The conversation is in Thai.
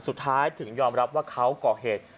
สุดท้ายถึงยอมรับว่าเขาก่อเหตุ